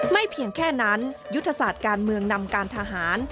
เพียงแค่นั้นยุทธศาสตร์การเมืองนำการทหาร